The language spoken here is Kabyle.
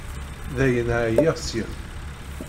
Dayen, ɛyiɣ seg-m.